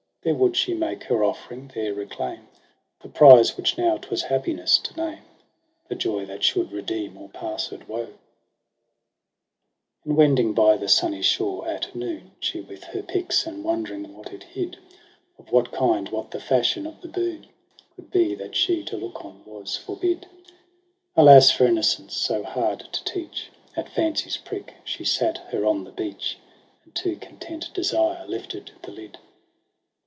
There would she make her offering, there reclaim The prize, which now 'twas happiness to name. The joy that should redeem all passed woe. ao4 EROS £? PSYCHE 30 And wending by the sunny shore at noon. She with her pyx, and wondering what it hid, Of what kind, what the fashion of the boon Coud be, that she to look on was forbid, — Alas for Innocence so hard to teach !— At fancy's prick she sat her on the beach. And to content desire lifted the lid.